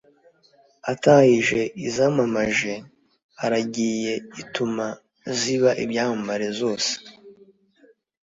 atahije izamamaje: aragiye ituma ziba ibyamamare zose